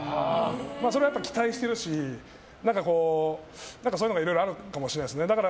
それは期待してるしそういうのがいろいろあるかもしれないですね。